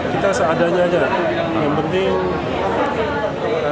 kita seadanya saja